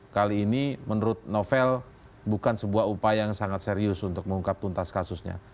kali ini menurut novel bukan sebuah upaya yang sangat serius untuk mengungkap tuntas kasusnya